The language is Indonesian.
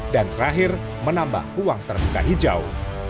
dan terakhir menambah uang terbuka hijau